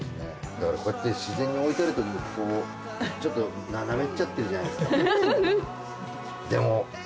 だからこっちしぜんに向いてるとこうちょっと斜めっちゃってるじゃないですか。